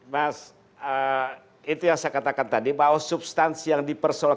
mas itu yang saya katakan tadi pak osu